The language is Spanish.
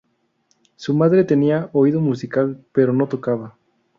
Su madre tenía oído musical, pero no tocaba.